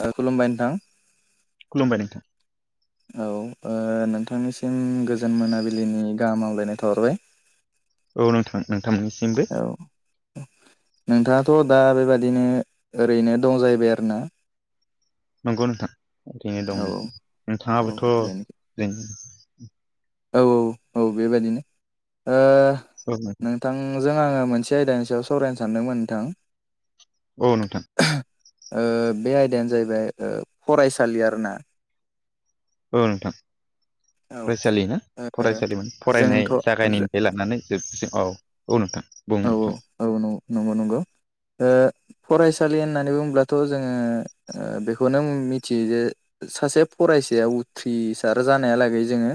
ओ खुलुमबाय नोंथां। खुलुमबाय नोंथां। औ ओ नोंथांनिसिम गोजोन मोनाबिलिनि गाहाम हामलायनाय थाहरबाय औ नोंथां नोंथांमोननिसिमबो औ नोंथाङाथ' दा बेबादिनो ओरैनो दं जाहैबाय आरोना नंगौ नोंथां ओरैनो दं औ नों औ नोंथाङाबोथ'नो बेनो औ औ औ बेबायदिनो ओ नोंथां जों आङो मोनसे आयदानि सायाव सावरायनो सानदोंमोन नोंथां औ नोंथां ओ बे आयदायानो जाहैबाय ओ फरायसालि आरोना औ नोंथां औ ओ फरायसालि ना फरायसालिमोन फरायनाय जोंथ' औ जागायनायनिफ्राय लानानै जोबसिम औ औ नोंथां बुं औ नोंथां औ औ नंगौ नंगौ ओ फरायसालि होननानै बुङोब्लाथ' जोङो ओ बेखौनो मिथियो जे सासे फराय साया उथ्रिसार जानायालागै जोङो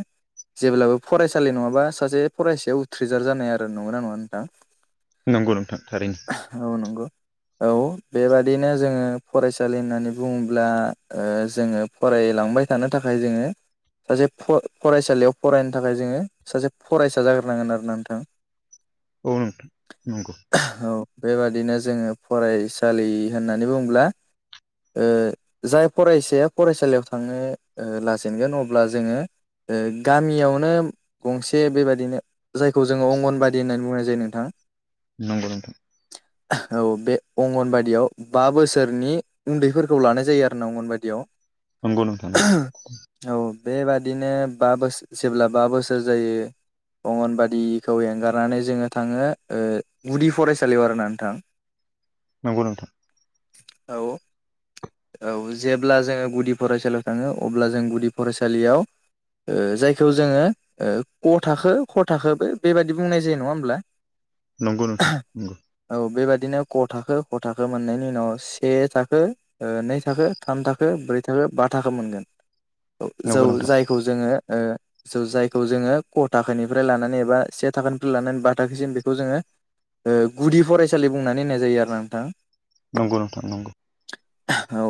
जेब्लाबो फरायसालि नङाबा सासे फरायसाया उथ्रिजार जानो हाया आरो नंगोना नङा नोंथां? नंगौ नोंथां थारैनो औ नंगौ औ बेबादिनो जोङो फरायसालि होननानै बुङोब्ला ओ जोङो फराय लांबाय थानो थाखाय जोङो सासे फरायसालियाव फरायनो थाखाय जोङो सासे फरायसा जाग्रोनांगोन आरो ना नोंथां [inaudible] औ नोंथां नंगौ औ बेबादिनो जोङो फरायसालि होननानै बुङोब्ला ओ जाय फरायसाया फरायसालियाव थांनो लाजेनगोन अब्ला जोङो ओ गामियावनो गंसे बेबादिनो जायखौ जोङो अंगनबादि होननानै बुंनाय जायो नोंथां नंगौ नोंथां औ बे अंगनबादियाव बा बोसोरनि उन्दैफोरखौ लानाय जायो आरो ना अंगनबादियाव नंगौ नोंथां नंगौ औ बेबादिनो बा बोसोर जेब्ला बा बोसोर जायो अंगनबादिखौ एंगारनानै जोङो थाङो ओ गुदि फरायसालियाव आरोना नोंथां नंगौ नोंथां औ औ जेब्ला जोङो गुदि फरायसालियाव थाङो अब्ला जों गुदि फरायसालियाव ओ जायखौ जोङो ओ क थाखो ख थाखोबो बेबाददि बुंनाय जायो नङा होमब्ला नंगौ नोंथां नंगौ बिदिनो क थाखो ख थाखो मोननायनि उनाव से थाखो नै थाखो थाम थाखो ब्रै थाखो बा थाखो मोनगोन जौ नंगौ नंगौ नोंथां जायखौ जोङो ओ सौ जायखौ जोङो क थाखोनिफ्राय लानानै एबा से थाखोनिफ्राय लानानै बा थाखोसिम बे खौ जोङो गुदि फरायसालि बुंनानै होननाय जायो आरो ना नोंथां। नंगौ नोंथां नंगौ औ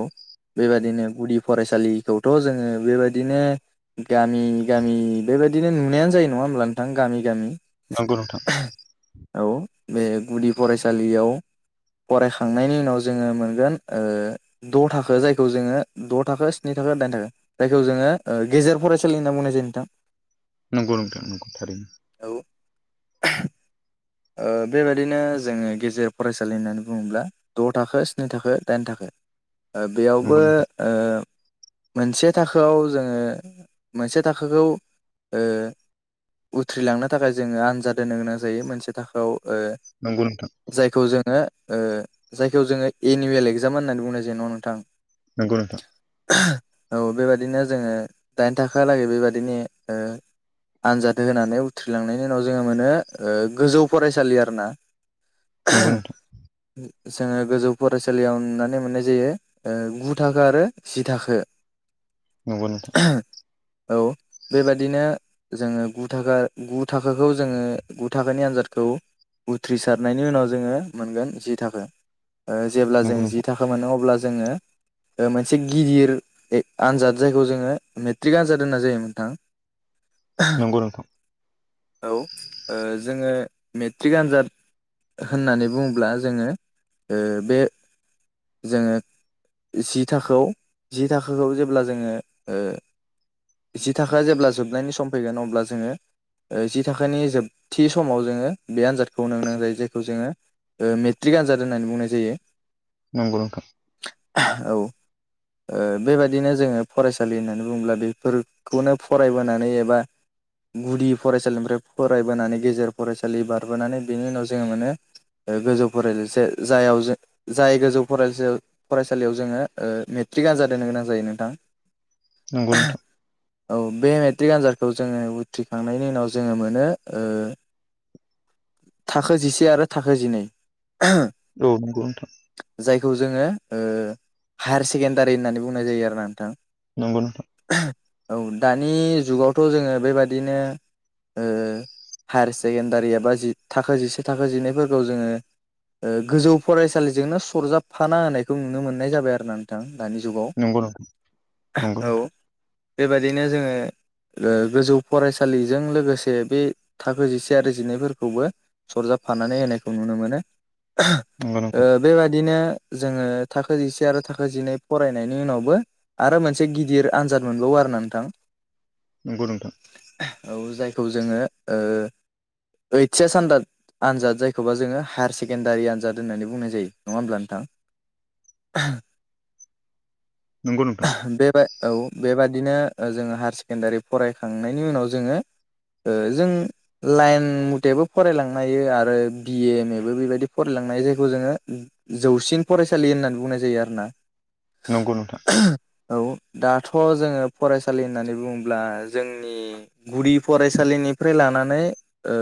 बेबायदिनो गुदि फरायसालिखौथ' जोङो बेबायदिनो गामि गामि बे बादिनो नुनायानो जायो नङा होमब्ला नोंथां गामि गामि नंगौ नोंथां औ बे गुदि फरायसालियाव फरायखांनायनि उनाव जोङो मोनगोन ओ द' थाखो जायखौ जोङो द' थाखो स्नि थाख थाखाय जायखौ जोङो गेजेर फरायसालिनि होनना बुंनाय जायो नोंथां नंगौ नोंथां नंगौ थारि [inaudible] ओ बेबायाददिनो जोङो गेजेर फरायसालि होननानै बुङोब्ला द' थाखो स्नि थाखो दाइन थाखो ओ नंगौ बेयावबो नोंथां ओ मोनसे थाखोआव जोङो मोनसे थाखोखौ ओ उथ्रिलांनो थाखाय जोङो आनजाद होनो गोनां जायो मोनसे थाखोआव ओ नंगौ नोंथां जायखौ जोङो ओ जायखौ जोङो एनिुयेल एगजाम होननानै बुंनो जेन' नोंथां। नंगौ नोंथां। औ बेबायदिनो जोङो दाइन थाखोयालागै बेबायदिनो आनजाद होनानै उथ्रिलांनायनि उनाव जोङो मोनो ओ गोजौ फरायसालि आरोना। नंगौ नोंथां। जोङो गोजौ फरायसालियाव नुनानै मोननाय जायो ओ गु थाखो आरो जि थाखो। [inaudible] नंगौ नोंथां। औ बेबादिनो जोङो गु थाखा गु थाखाखौ जोङो गु थाखोनि आन्जादखौ उथ्रिसारनायनि उनाव जोङो मोनगोन जि थाखो। ओ जेब्ला जों नंगौ नोंथां जि थाखा मोनो अब्ला जोङो मोनसे गिदिर आनजाद जायखौ जोङो मेट्रिक आनजाद होननाय जायो नोंथां। नंगौ नोंथां। औ ओ जोङो मेट्रिक आनजाद होननानै बुङोब्ला जोङो ओ बे जोङो जि थाखोआव जि थाखोखौ जेब्ला जोङो ओ जि थाखोया जेब्ला जोबनायनि सम फैगोन अब्ला जोङो जि थाखानि जोब थि समाव जोङो बे आनजादखौ होनो गोनां जायो जायखौ जोङो ओ मेट्रिक आनजाद होननानै बुंनाय जायो। नंगौ नोंथां। औ। ओ बेबायदिनो जोङो फरायसालि होननानै बुङोब्ला बेफोरखौनो फरायबोनानै एबा गुदि फरायसालिनिफ्राय फरायबोनानै गेजेर फरायसालि बारबोनानै बेनि उनाव जोङो मोनो गोजौ फराय जायाव जो जाय गोजौ फराय फरायसालियाव जोङो ओ मे ट्रिक आनजाद होननानै गोनां जायो नोंथां नंगौ नोंथां। औ बे मेट्रिक आनजादखौ जोङो उथ्रिखांनायनि उनाव जोङो मोनो ओ थाखो जिसे आरो थाखो जिनै औ नंगौ नोंथां। बे खौ जोङो ओ हायार सेकेण्डारि होननानै बुंनाय जायो आरोना नोंथां। नंगौ नोंथां। औ दानि जुगावथ' जोङो बेबादिनो ओ हायार सेकेण्डारि एबा जि थाखो जिसे थाखो जिनैफोरखौ जोङो ओ गोजौ फरायसालिजोंनो सरजाबफाना होनायखौ नुनो मोननाय जाबाय आरोना नोंथां। दानि जुगाव नोंथां नंगौ औ। नोंथां बेबायदिनो जोङो ओ गोजौ फरायसालिजों लोगोसे बे थाखो जिसे आरो जिनैफोरखौबो सरजाबफानानै होनायखौ नुनो मोनो। नंगौ ओ नोंथां बेबादिनो जोङो थाखो जिसे आरो थाखो जिनै फरायनायनि उनावबो आरो मोनसे गिदिर आनजाद मोनबावो बारना नोंथां। नंगौ नोंथां। औ जायखौ जोङो ओ ओइस एस आनजाद जायखौबा जोङो हायार सेकेण्डारि आनजाद होननानै बुंनाय जायो नङा होमब्ला नोंथां? नंगौ नोंथां बेबा औ बेबादिनो जोङो हायार सेकेणडारि फरायखांनायनि उनाव जोङो ओ जों लाइन मतेबो फरायलांनो हायो आरो बि ए एम ए बो बेबायदि फरायलांनो हायो जायखौ जोङो जौसिन फरायसालि होननानै बुंनाय जायो आरोना। नंगौ नोंथां। औ दाथ' जोङो फरायसालि होननानै बुङोब्ला जोंनि गुदि फरायसालिनि फ्राय लानानै ओ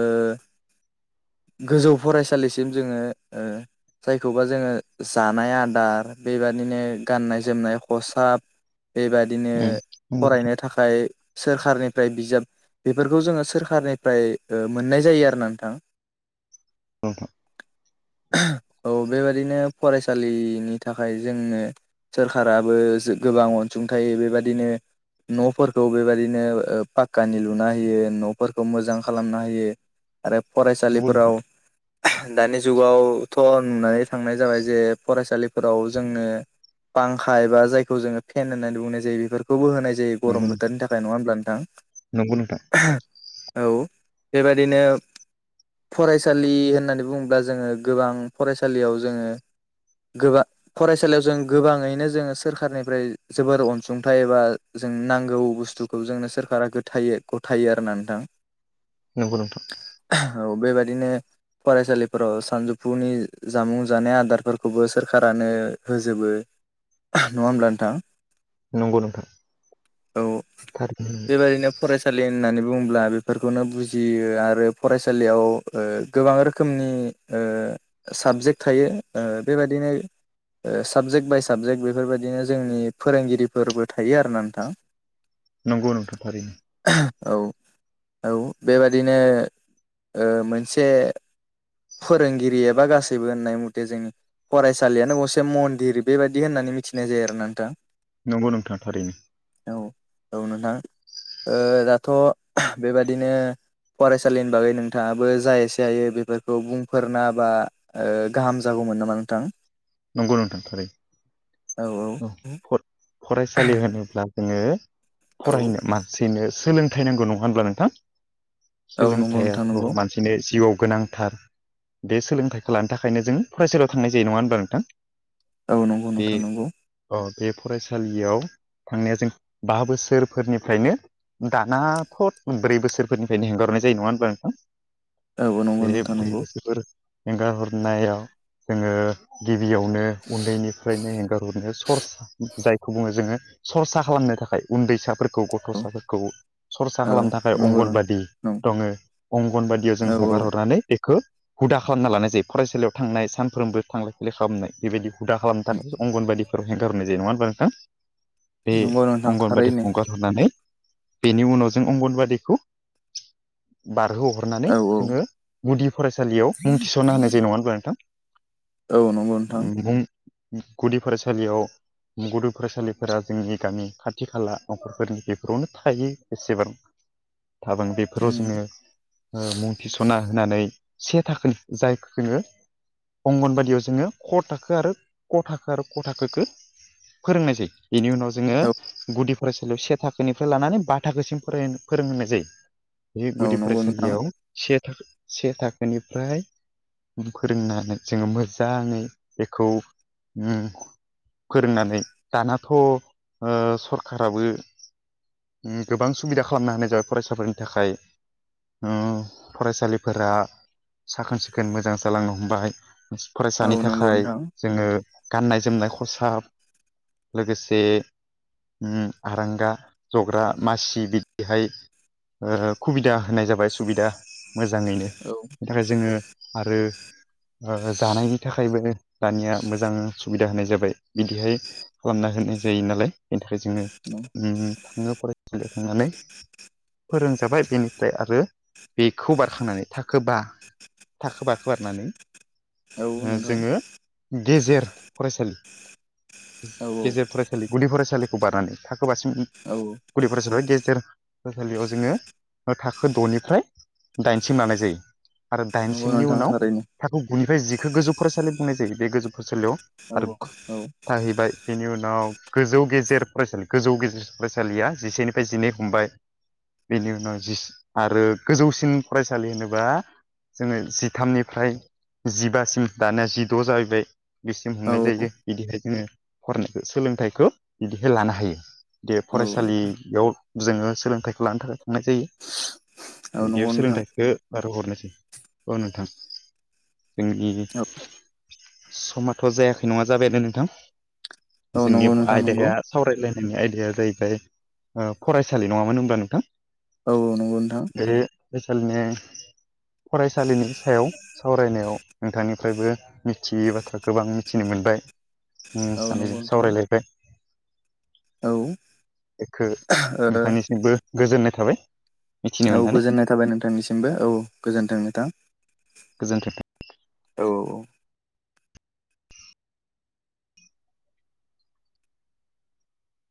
गोजौ फरायसालिसिम जोङो ओ जायखौबा जोङो जानाय आदार बेबादिनो गाननाय जोमनाय खसाब बेबादिनो नंगौ फरायनो थाखाय सोरखारनिफ्राय बिजाब बेफोरखौ जोङो सोर सरखारनिफ्राय मोननाय जायो आरो ना नोंथां। नोंथां औ बेबायादिनो फरायसालिनि थाखाय जोंनो सोरखाराबो गोबां अनसुंथाइ बेबायदिनो न'फोरखौ बेबायदिनो ओ पाक्कानि लुना होयो न' फोरखौ मोजां खालामनो होयो आरो नंगौ नोंथां उम नंगौ फरायसालिफोराव नोंथां दानि जुगावथ' नुनानै थांनाय जाबाय जे फरायसालिफोराव जोङो पांखा एबा जायखौ जोङो फेन होननानै बुंनाय जायो बेफोरखौबो होनाय ज जायो गरम नोंथां बोथोरनि थाखाय नङा हब्ला नोंथां? नंगौ नोंथां। औ बेबादिनो फरायसालि होननानै बुङोब्ला जोङो गोबां फरायसालियाव जोङो गोबां फरायसालियाव जों गोबाङैनो जोङो सोरखारनिफ्राय जोबोर अनसुंथाइ एबा जोंनो नांगौ बुस्थुखौ जोंनो सोरखारा गथायो आरोना नोंथां। नंगौ नोंथां। औ बेबादिनो फरायसालिफोराव सानजौफुनि जामुं जानाय आदारफोरखौबो सोरखारानो होजोबो। नङा होमबा नोंथां? नंगौ नोंथां। औ थारैनो बेबायाददिनो फरायसालि होननानै बुंब्ला बेफोरखौनो बुजियो आरो फरायसालियाव ओ गोबां रोखोमनि ओ साबजेक्ट थायो ओ बेबादिनो साबजेक्ट बाय साबजेक्ट बेफोरबायदिनो जोंनि फोरोंगिरिफोरबो थायो आरो ना नोंथां। नंगौ नोंथां औ औ बेबादिनो ओ मोनसे फोरोंगिरि एबा गासैबो होननाय मथे जोंनि फरायसालियानो गंसे मन्दिर बेबायदि होननानै मिथिनाय जायो आरो ना नोंथां। नंगौ नोंथां थारैनो। औ औ नोंथां ओ दाथ' बेबादिनो फरायसालिनि बागै नोंथाङाबो जा एसे हायो बेफोर खौ बुंफोरना बा गाहाम जागौमोन नामा नोंथां नंगौ नोंथां थारै औ फरायसालि होनोब्ला जोङो औ फरायनो मानसिनो सोलोंथाइ नांगौ नङा होनब्ला नोंथां? औ नंगौ नोंथां नंगौ सोलोंथाइयाथ' मानसिनो जिउआव गोनांथार बे सोलोंथाइखौ लानो थाखायनो जों फरायसालियाव थांनाय जायो नङा होनबा नोंथां? औ नंगौ बे नोंथां नंगौ। अ बे फरायसालियाव थांनाया जों बा बोसोरफोरनिफ्रायनो दाना फद ब्रै बोसोरफोरनिफ्रायनो हेंगारनाय जायो नङा होनब्ला नोंथां? औ नंगौ नोंथां [unintelligible] नंगौ बेफोर एंगार हरनायाव जोङो गिबियावनो उन्दैनिफ्रायनो एंगारहरनो सर्स जायखौ बुङो जोङो। सरसा खालामनो थाखाय उन्दैसाफोरखौ औ गथ'साफोरखौ। सरसा औ खालामनो थाखाय नंगौ नों अंगनबादि दङ अंगनबादियाव जों औ औ हगार हरनानै खो हुदा खालामना लानाय जायो फरायसालियाव थांनाय सानफ्रोमबो थांलाय फैलाय खालामनाय बेबायदि हुदा खालामनो थाखाय अंगनबादिफोराव हेंगार हरनाय जायो नङा होमबा नोंथां? बे नंगौ नोंथां अंगनबादि थारैनो हगारहरनानै। बेनि उनाव जों अंगनबादिखौ बार- बारहो हरनानै औ औ जोंङो गुदि फरायसालियाव मुं थिसनना होनाय जायो नङा होनब्ला नोंथां। औ नंगौ नोंथां। मुं गुदि फरायसालियाव। गुदि फरायसालिफोरा जोंनि गामि खाथि खाला नखरफोरनि बेफोरावनो थायो एसेबां [inaudible] थांनांआ बेफोराव उम जोंङो मुं थिसना होनानै से थाखो जाय जोंङो अंगनबादि बेयाव जोंङो क थाखो आरो क थाखो आरो ख थाखोखौ फोरोंनाय जायो। बेनि उनाव जोंङो औ गुदि। फरायसालियाव से थाखोनिफ्राय लानानै बा थाखोसिम फोरोंहोनाय जायो। बे औ गुदि नंगौ नोंथां फरायसालियाव से से थाखोनिफ्राय फोरोंनानै जोंङो मो दा नै बेखौउम फोरोंनानै दानाथ ओ सरखाराबो। गोबां सुबिदा खालामना होनाय जाबाय फरायसाफोरनि थाखाय। ओ फरायसालिफोरा साखोन सिखोन मोजां जालांनो हमबाय। फरायसानि औ नंगौ थाखाय नोंथां जोंङो गाननाय जोमनाय खसाब। लोगोसे। आरांगा जग्रा मासि बिदिहाय ओ सुबिदा होनाय जाबाय सुबिदा मोजांङैनो औ बेनि थाखाय जोंङो आरो जानायनि थाखायबो दानिया मोजां सुबिदा होनाय जाबाय। बिदिहाय खालामना होनाय जायो नालाय जोंङो नों थांङो फरायसालियाव थांनानै फोरोंजाबाय बेनिफ्राय आरो बेखौ बारखांनानै थाखोबा। थाखो बाखौ बाखारनानै औ नोंथां। गेजेर फरायसालि। औ गेजेर औ फरायसालि गुदि फरायसालिखौ बारनानै थाखोबासिम औ गुदि फरायसालियाव गेजेर फरायसालियाव जोंङो थाखो दनिफ्राय दाइनसिम लानाय जायो आरो नंगौ दाइनसिमनि नोंथां उनाव थारैनो थाखो गु जिखौ गोजौ फरायसालि बुंनाय जायो बे गोजौ फरायसालियाव औ आरो औ थाहैबाय बेनि उनाव गोजौ गेजेर फरायसालि गोजौ गेजेर फरायसालिया जिसेनिफ्राय जिनै बेनि उनाव आरो गोजौसिन फरायसालि होनोबा जोंङो जिथामनिफ्राय जिबासिम दानिया जिद जाहैबाय बेसिम औ हमनाय जायो बिदिहाय जोंङो फरायनायखौ सोलोंथाइखौ बिदिहाय लानो हायो औ नोंथां फरायसालियाव जोंङो सोलोंथाइखौ लानो थाखाय थांनाय जायो। औ बिदियाव नंगौ नोंथां सोलोंथाइखौ बारहोहरनाय जायो औ नोंथां। ओम ओम जोंनि औ समाथ जायाखै नङा जाबायानो नोंथां। औ जोंनि नंगौ नोंथां नंगौ आयदाया सावरायलायनायनि आयदा या जाहैबाय फरायसालि नङामोन होनब्ला नोंथां। औ औ नंगौ नोंथां नि फरायसालिनि सायाव सावरायनायाव नोंथांनिफ्रायबो मिथियै बाथ्रा गोबां मिथिनो मोनबाय औ सानैजों नंगौ नोंथां औ सावरायलायबाय ओ एखो मेखानिसिमबो गोजोननाय थाबाय मिथिनो औ मोननानै गोजोननाय थाबाय नोंथांनिसिमबो औ गोजोन्थों नोंथां गोजोन्थों औ औ